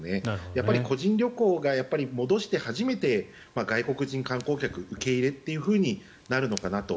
やっぱり個人旅行が戻して初めて外国人観光客受け入れというふうになるのかなと。